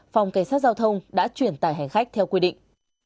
phòng cảnh sát giao thông đã chuyển tải hành khách theo quy định